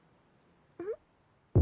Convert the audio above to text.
うん？